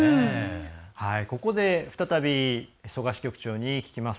ここで再び曽我支局長に聞きます。